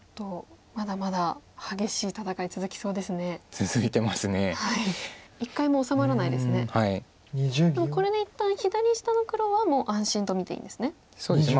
でもこれで一旦左下の黒はもう安心と見ていいんですね。